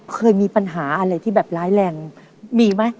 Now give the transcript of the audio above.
เคยมีปัญหาอะไรที่แบบร้ายแรงมีไหม